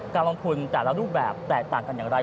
การลงทุนแต่ละรูปแบบแตกต่างกันอย่างไร